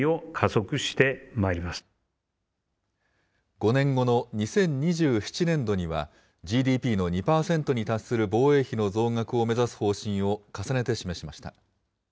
５年後の２０２７年度には、ＧＤＰの２％に達する防衛費の増額を目指す方針を重ねて示しました。